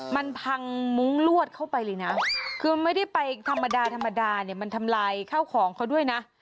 มันพังมุ้งลวดเข้าไปเลยนะคือไม่ได้ไปธรรมดาธรรมดาเนี่ยมันทำลายข้าวของเขาด้วยนะ